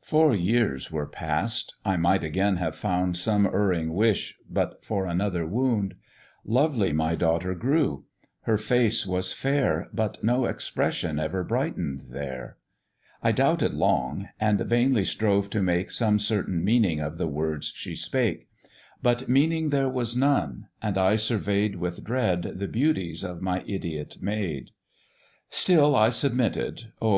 "Four years were past; I might again have found Some erring wish, but for another wound: Lovely my daughter grew, her face was fair, But no expression ever brighten'd there; I doubted long, and vainly strove to make Some certain meaning of the words she spake; But meaning there was none, and I survey'd With dread the beauties of my idiot maid. Still I submitted; Oh!